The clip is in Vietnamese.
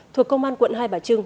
thuộc công an quận hai bà trưng